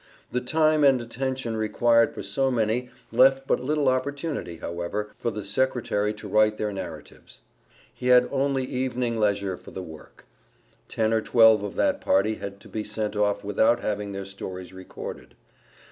The time and attention required for so many left but little opportunity, however, for the Secretary to write their narratives. He had only evening leisure for the work. Ten or twelve of that party had to be sent off without having their stories recorded.